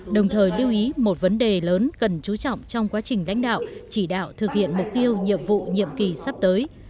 đồng thời lưu ý một vấn đề lớn cần chú trọng trong quá trình đánh đạo chỉ đạo thực hiện mục tiêu nhiệm vụ nhiệm kỳ sắp tới